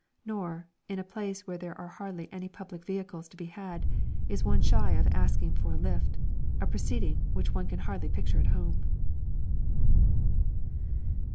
Nor, in a place where there are hardly any public vehicles to be had, is one shy of "asking for a lift," a proceeding which one can hardly picture at home.